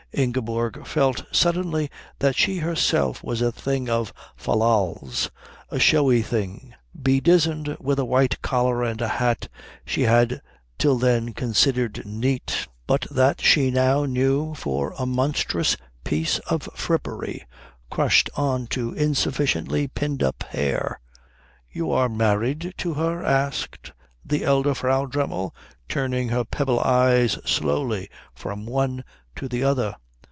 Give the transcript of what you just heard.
Ingeborg felt suddenly that she herself was a thing of fal lals a showy thing, bedizened with a white collar and a hat she had till then considered neat, but that she now knew for a monstrous piece of frippery crushed on to insufficiently pinned up hair. "You are married to her?" asked the elder Frau Dremmel, turning her pebble eyes slowly from one to the other.